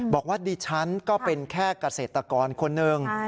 บอกว่าดิฉันก็เป็นแค่เกษตรกรคนหนึ่ง